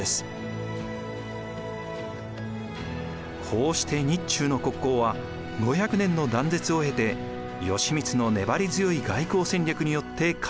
こうして日中の国交は５００年の断絶を経て義満の粘り強い外交戦略によって回復したのでした。